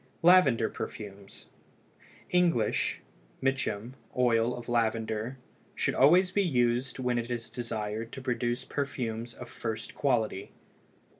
LAVENDER PERFUMES. English (Mitcham) oil of lavender should always be used when it is desired to produce perfumes of first quality.